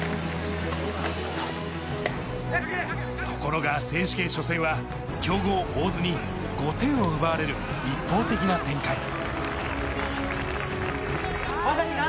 ところが選手権初戦は強豪・大津に５点を奪われる一方的な展開。